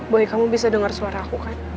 boy kamu bisa denger suara aku kan